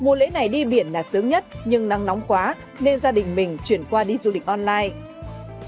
mùa lễ này đi biển là sớm nhất nhưng nắng nóng quá nên gia đình mình chuyển qua đi du lịch online